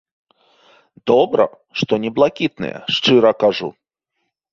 Добра, што не блакітныя, шчыра кажу.